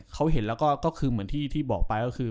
เขาเห็นแล้วก็คือเหมือนที่บอกไปก็คือ